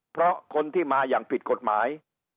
เพราะคนที่มาอย่างผิดกฎหมาย